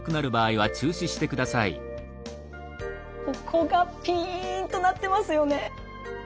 ここがピンとなってますよね。